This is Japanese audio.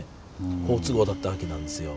好都合だったわけなんですよ。